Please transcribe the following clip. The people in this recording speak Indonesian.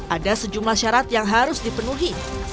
ada sejumlah syarat yang harus dipenuhi